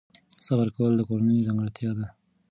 صبر کول د کورنۍ ځانګړتیا ده.